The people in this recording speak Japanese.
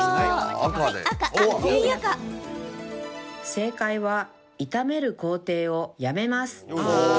正解は、炒める工程をやめます。